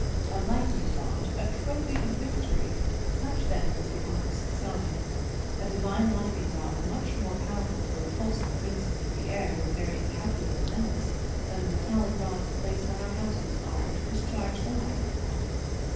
A lightning rod, a trophy of victory; such then was the august sign. A divine lightning rod, much more powerful to repulse the princes of the air with their incal culable malice, than the metallic rods placed on our houses are to discharge the lightning clouds.